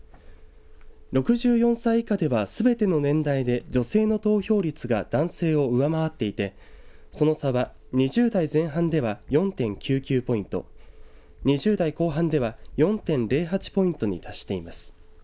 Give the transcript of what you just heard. ６４歳以下ではすべての年代で女性の投票率が男性を上回っていてその差は２０代前半では４．９９ポイント２０代後半では４．０８ポイントに達しています。